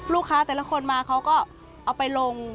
ลูกค้าแต่ละคนมาเขาก็เอาไปลง